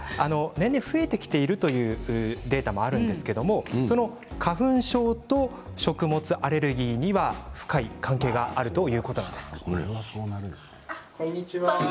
年々増えてきているというデータもあるんですが花粉症と食物アレルギーには深い関係があるということなんです。